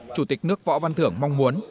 chủ tịch nước võ văn thưởng mong muốn